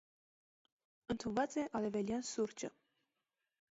Ընդունված է արևելյան սուրճը։